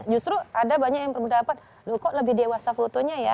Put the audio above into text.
justru ada banyak yang berpendapat loh kok lebih dewasa fotonya ya